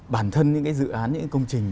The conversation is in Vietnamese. bản thân những cái dự án những công trình